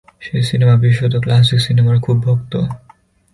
সে cinema, বিশেষত classic সিনেমার খুব ভক্ত।